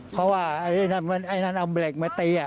เพราะว่าไอ้นั้นเอาเหล็กมาตี